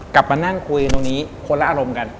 กลับมานั่งคุยกันตรงนี้คนละอารมณ์กัน